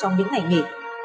trong những ngày nghỉ